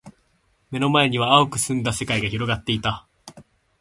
目の前には蒼く澄んだ世界が広がっていた。